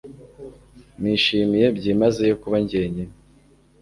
Nishimiye byimazeyo kuba jyenyine